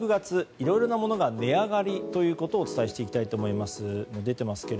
いろいろなものが値上がりということをお伝えしていきたいと思います。